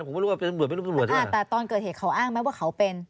ผมไม่รู้ว่าเป็นตำรวจไม่รู้ตำรวจอ่าแต่ตอนเกิดเหตุเขาอ้างไหมว่าเขาเป็น